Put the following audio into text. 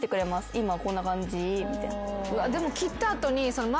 今こんな感じみたいな。